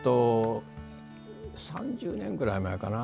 ３０年ぐらい前かな